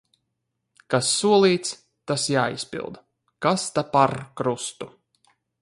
Kas solīts, tas jāizpilda. Kas ta par krustu.